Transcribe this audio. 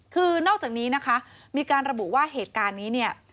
คือนอกจากนี้นะคะมีการระบุว่าเหตุการณ์นี้เนี่ย